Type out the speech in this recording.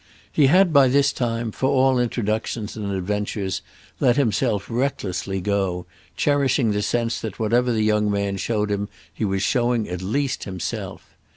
He had by this time, for all introductions and adventures, let himself recklessly go, cherishing the sense that whatever the young man showed him he was showing at least himself.